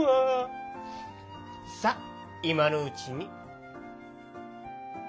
さあいまのうちに。